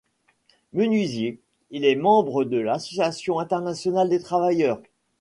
Menuisier, il est membre de l'Association internationale des travailleurs.